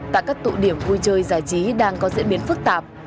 tại các tụ điểm vui chơi giải trí đang có diễn biến phức tạp